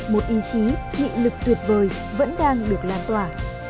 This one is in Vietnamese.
một ý chí nghị lực tuyệt vời vẫn đang được lan tỏa